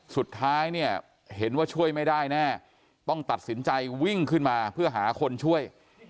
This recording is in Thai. สุดท้ายเนี่ยเห็นว่าช่วยไม่ได้แน่ต้องตัดสินใจวิ่งขึ้นมาเพื่อหาคนช่วย